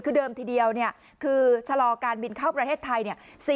คือเดิมทีเดียวคือชะลอการบินเข้าประเทศไทย